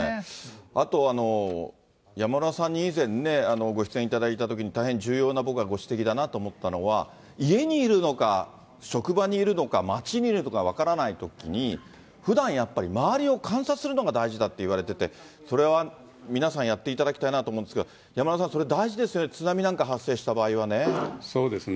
あと、山村さんに以前ね、ご出演いただいたときに、大変、重要な僕はご指摘だなと思ったのは、家にいるのか、職場にいるのか、街にいるのか分からないときに、ふだんやっぱり、周りを観察するのが大事だって言われてて、それは皆さん、やっていただきたいなと思うんですけど、山村さん、それ大事ですよね、そうですね。